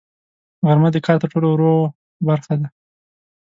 غرمه د کار تر ټولو وروه برخه ده